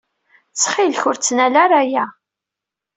Ttxil-k ur ttnal ara aya.